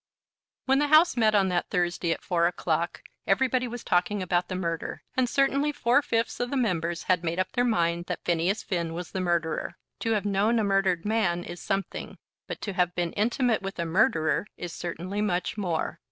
When the House met on that Thursday at four o'clock everybody was talking about the murder, and certainly four fifths of the members had made up their minds that Phineas Finn was the murderer. To have known a murdered man is something, but to have been intimate with a murderer is certainly much more.